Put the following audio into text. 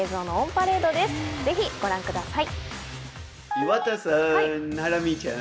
ぜひご覧ください。